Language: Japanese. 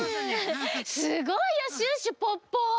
すごいよシュッシュポッポ！